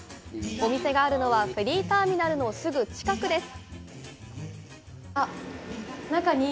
お店があるのは、フェリーターミナルのすぐ近くです。